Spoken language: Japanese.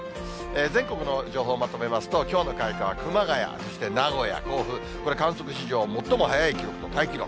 全国の情報をまとめますと、きょうの開花は熊谷、そして名古屋、甲府、これ、観測史上、最も早い記録とタイ記録。